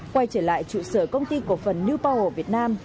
quay trở lại trụ sở công ty cổ phần new power việt nam